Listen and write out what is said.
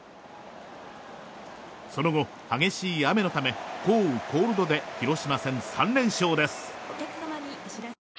その後、激しい雨のため降雨コールドで広島戦３連勝です。